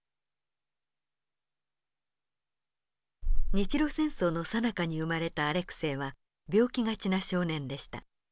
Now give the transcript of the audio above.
日露戦争のさなかに生まれたアレクセイは病気がちな少年でした。